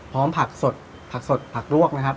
พร้อมผักสดผักรวกนะครับ